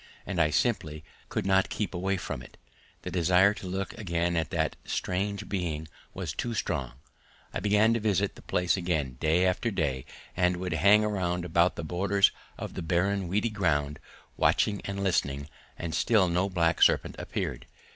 And I simply could not keep away from it; the desire to look again at that strange being was too strong. I began to visit the place again, day after day, and would hang about the borders of the barren weedy ground watching and listening, and still no black serpent appeared.